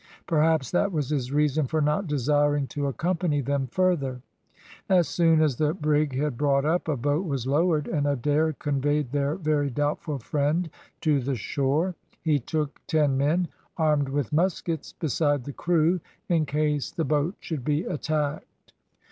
Perhaps that was his reason for not desiring to accompany them further. As soon as the brig had brought up, a boat was lowered, and Adair conveyed their very doubtful friend to the shore. He took ten men, armed with muskets, beside the crew, in case the boat should be attacked.